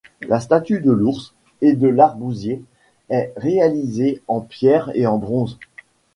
La statue de l'ours et de l'arbousier est réalisée en pierre et en bronze.